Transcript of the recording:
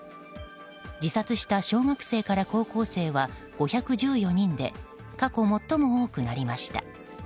自殺した小学生から高校生は５１４人で過去最も多くなりました。